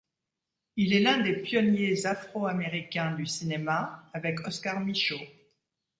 Il est l'un des pionniers afro-américains du cinéma avec Oscar Micheaux.